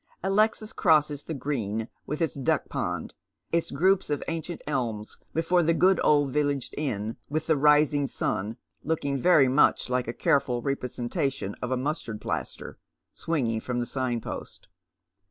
Alexis crosses the green, with its duck pond, its groups of ancient elms before the good old village inn, with the " Rising Sun," looking very much like a careful repre sentation of a mustard plaster, swinging from the signpost.